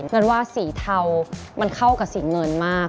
เงินว่าสีเทามันเข้ากับสีเงินมาก